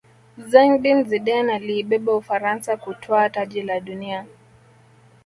zinedine zidane aliibeba ufaransa kutwaa taji la dunia